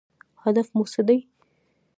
هدف مو څه دی؟